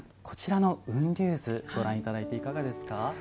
こちらの「雲龍図」ご覧いただいていかがですか？